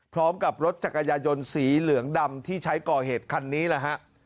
พร้อมกับรถจักรยายนสีเหลืองดำที่ใช้ก่อเหตุคันนี้แหละฮะ